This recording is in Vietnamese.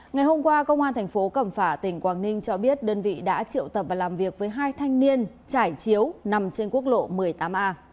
ngày hôm qua công an thành phố cẩm phả tỉnh quảng ninh cho biết đơn vị đã triệu tập và làm việc với hai thanh niên trải chiếu nằm trên quốc lộ một mươi tám a